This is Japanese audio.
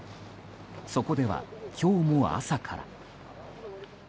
そこでは、今日も朝から。